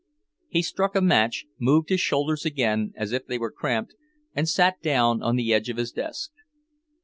He struck a match, moved his shoulders again as if they were cramped, and sat down on the edge of his desk.